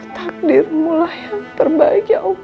takdirmulah yang terbaik ya allah